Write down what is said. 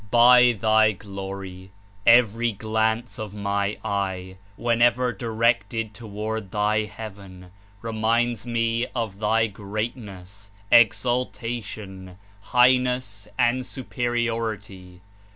"By Thy Glory, every glance of my eye, whenever directed toward Thy heaven, reminds me of Thy greatness, exaltation, highness and superiority.